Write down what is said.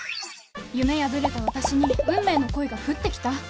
夢破れた私に運命の恋が降ってきた？